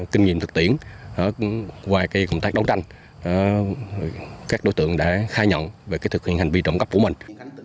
khi công tác đóng tranh các đối tượng đã khai nhận về thực hành hành vi trộm cắp của mình